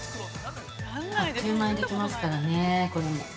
◆あっという間にできますからねこれも。